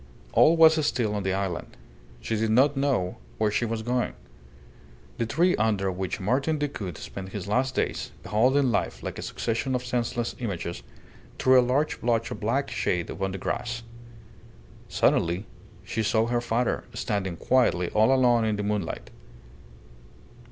All was still on the island; she did not know where she was going. The tree under which Martin Decoud spent his last days, beholding life like a succession of senseless images, threw a large blotch of black shade upon the grass. Suddenly she saw her father, standing quietly all alone in the moonlight.